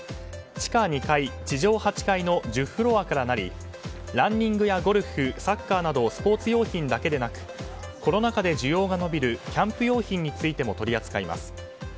地下２階、地上８階の１０フロアからなりランニングやゴルフサッカーなどスポーツ用品だけでなくコロナ禍で需要が伸びるキャンプ用品についても取り扱います。